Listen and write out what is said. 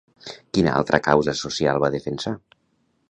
Quina altra causa social va defensar?